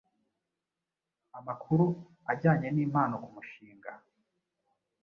Amakuru ajyanye nimpano kumushinga